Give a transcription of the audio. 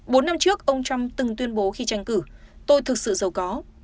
bốn năm trước ông trump từng tuyên bố khi tranh cử tôi thực sự giàu có